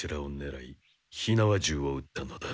火縄銃をうったのだ。